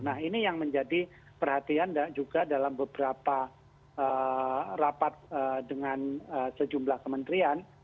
nah ini yang menjadi perhatian juga dalam beberapa rapat dengan sejumlah kementerian